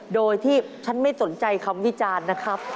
โดยที่ฉันไม่สนใจคำวิจารณ์นะครับ